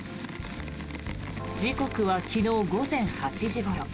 時刻は昨日午前８時ごろ。